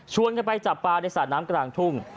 กันไปจับปลาในสระน้ำกลางทุ่ง